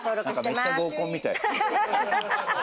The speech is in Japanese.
めっちゃ合コンみたい。